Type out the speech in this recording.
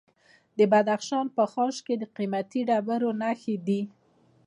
د بدخشان په خاش کې د قیمتي ډبرو نښې دي.